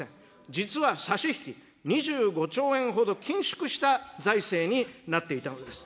実は差し引き２５兆円ほど緊縮した財政になっていたわけです。